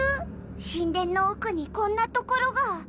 神殿の奥にこんな所が。